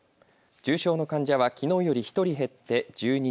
重症の患者はきのうより１人減って１２人。